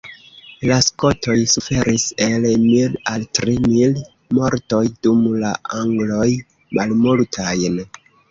La skotoj suferis el mil al tri mil mortoj, dum la angloj malmultajn.